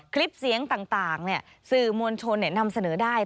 คลิปเสียงต่างสื่อมวลชนนำเสนอได้